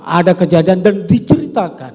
ada kejadian dan diceritakan